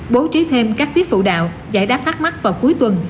bố trí thêm các tiết phụ đạo giải đáp thắc mắc vào cuối tuần